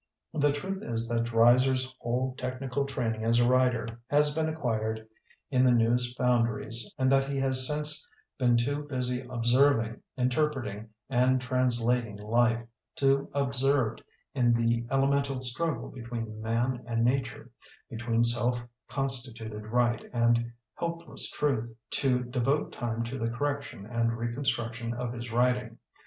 The truth is that Dreiser's whole technical training as a writer has been acquired in the news foundries and that he has since been too busy observ ing, interpreting, and translating life, too absorbed in the elemental struggle between man and nature, between self constituted right and helpless truth, to devote time to the correction and re construction of his writing.